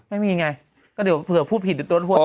ไม่มีไงก็เดี๋ยวเผื่อพูดผิดเดี๋ยวโดนหัว